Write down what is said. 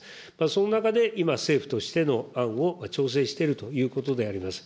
その中で今、政府としての案を調整しているということであります。